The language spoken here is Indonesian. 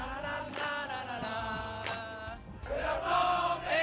kita ada di indonesia